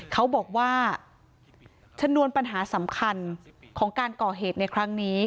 เขาบอกว่าชนวนปัญหาสำคัญของการก่อเหตุในครั้งนี้